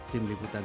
timur merapi jepang